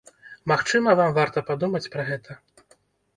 Магчыма, вам варта падумаць пра гэта.